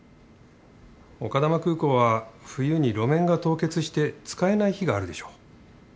丘珠空港は冬に路面が凍結して使えない日があるでしょう。